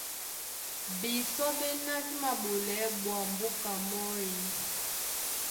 Bisɔ́ ɓéná dí māɓolɛɛ́ ɓwǎm̀ búka mɔ́ e?